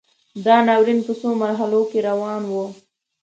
دا ناورین په څو مرحلو کې روان و.